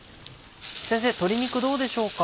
先生鶏肉どうでしょうか？